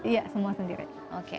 iya semua sendiri